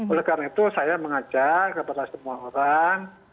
oleh karena itu saya mengajak kepada semua orang